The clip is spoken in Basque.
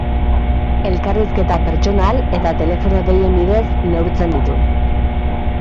Elkarrizketa pertsonal eta telefono deien bidez neurtzen ditu.